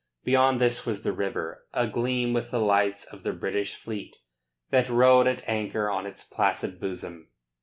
Beyond this was the river, agleam with the lights of the British fleet that rode at anchor on its placid bosom.